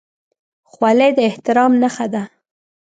خولۍ د احترام نښه ده.